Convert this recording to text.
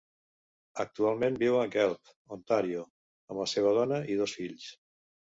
Actualment viu a Guelph, Ontario, amb la seva dona i dos fills.